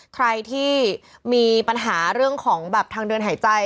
ใครที่มีปัญหาเรื่องของแบบทางเดินหายใจ